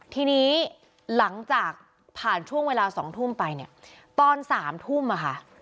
ทีนี้หลังจากผ่านช่วงเวลา๒ทุ่มไปเนี่ยตอน๓ทุ่มอะค่ะ